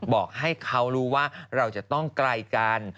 บอกให้เขารู้ว่าเราจะต้องไกลกัน